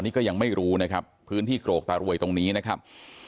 นี่ก็ยังไม่รู้นะครับพื้นที่โกรกตารวยตรงนี้นะครับ